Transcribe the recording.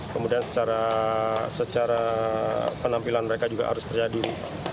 kemudian secara penampilan mereka juga harus terjadi